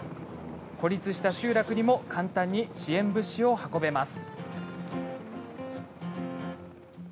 孤立した集落にも簡単に支援物資を運べます。